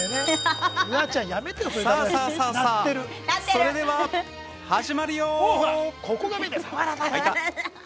それでは始まるよ。